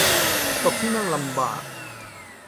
ตกที่นั่งลำบาก